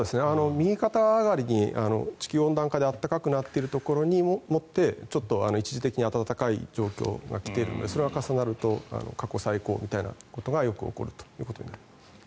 右肩上がりに地球温暖化で暖かくなっているところにもってちょっと一時的に暖かい状況が来ているのでそれが重なると過去最高みたいなことがよく起こるということになります。